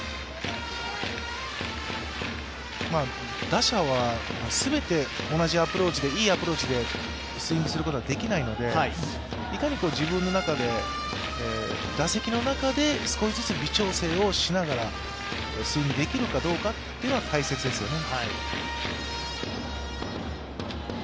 打者は全て同じアプローチで、いいアプローチでスイングすることができないのでいかに自分の中で、打席の中で少しずつ微調整をしながらスイングできるかどうかは大切ですよね。